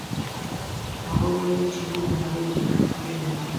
هغه وویل چې موږ د نړۍ د مسلمانانو هېر نه یو.